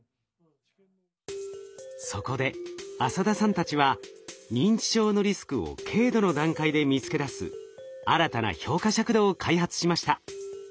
そこで朝田さんたちは認知症のリスクを軽度の段階で見つけだす新たな評価尺度を開発しました。